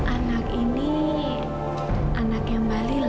anak ini anak yang bali lah